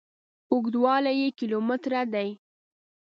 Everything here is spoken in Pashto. اوږدوالي یې کیلو متره دي.